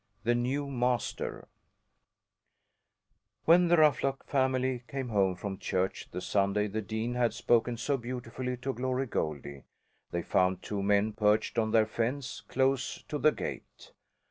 THE NEW MASTER When the Ruffluck family came home from church the Sunday the dean had spoken so beautifully to Glory Goldie they found two men perched on their fence, close to the gate.